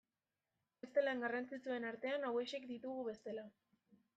Beste lan garrantzitsuen artean hauexek ditugu bestela.